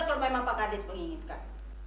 kalau memang pak kades menginginkan